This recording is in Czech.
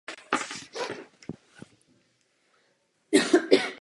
Z obecné informace se při vstupu do mozku stane podnět.